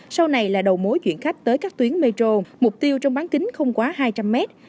sau này là đầu mối chuyển khách tới các tuyến metro mục tiêu trong bán kính không quá hai trăm linh mét